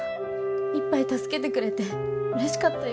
いっぱい助けてくれてうれしかったよ。